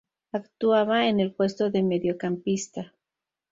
Actuaba en el puesto de mediocampista.